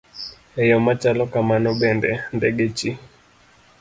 E yo machalo kamano bende, ndege chi